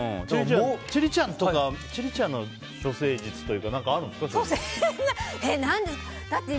千里ちゃんとか千里ちゃんの処世術とかそういうの、あるんですか？